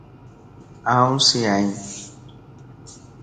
آن سئي ائين